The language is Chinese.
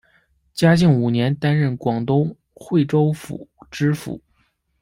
嘉靖五年担任广东惠州府知府。